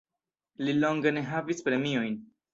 Li longe ne havis premiojn.